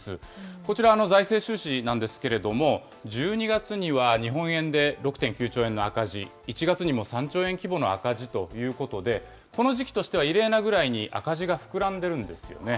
こちら、財政収支なんですけれども、１２月には日本円で６．９兆円の赤字、１月にも３兆円規模の赤字ということで、この時期としては異例なぐらいに赤字が膨らんでるんですよね。